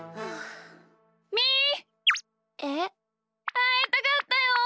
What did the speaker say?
あいたかったよ！